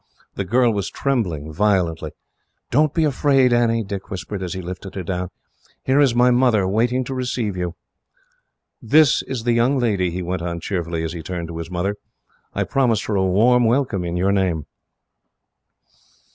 The girl was trembling violently. "Don't be afraid, Annie," Dick whispered, as he lifted her down. "Here is my mother, waiting to receive you. "This is the young lady," he went on cheerfully, as he turned to his mother. "I promised her a warm welcome, in your name."